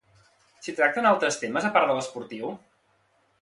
S'hi tracten altres temes, a part de l'esportiu?